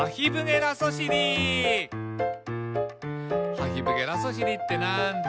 「ハヒブゲラソシリってなんだ？」